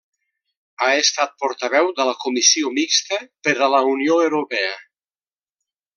Ha estat portaveu de la Comissió Mixta per a la Unió Europea.